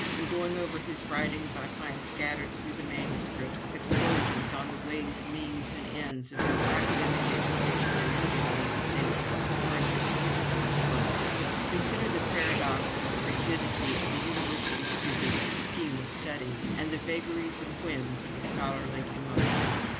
In going over his writings, I find scattered through the manuscripts explosions on the ways, means, and ends, of academic education in our United States. For instance, "Consider the paradox of the rigidity of the university student's scheme of study, and the vagaries and whims of the scholarly emotion.